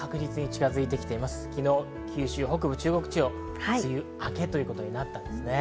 昨日、九州北部、中国地方、梅雨明けということになりました。